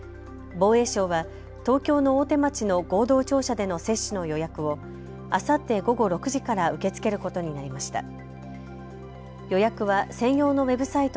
防衛省は、東京の大手町の合同庁舎での接種の予約をあさって午後６時から受け付けることになりました。